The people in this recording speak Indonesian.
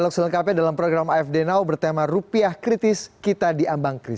kan kita tadi sudah bersikapnya